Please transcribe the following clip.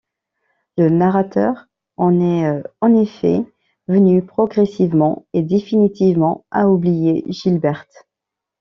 Le narrateur en est en effet venu, progressivement et définitivement, à oublier Gilberte.